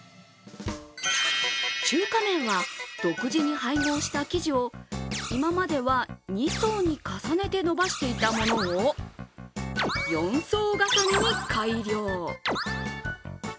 中華麺は独自に配合した生地を今までは２層に重ねてのばしていたものを４層重ねに改良。